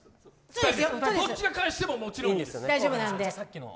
どっちが返しても、もちろんいいです。